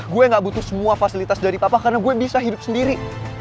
gue gak butuh semua fasilitas dari papa karena gue bisa hidup sendiri